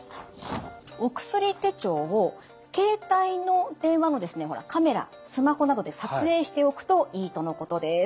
お薬手帳を携帯の電話のカメラスマホなどで撮影しておくといいとのことです。